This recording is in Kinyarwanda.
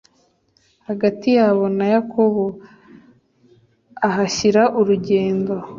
Hagati yabo na Yakobo ahashyira urugendo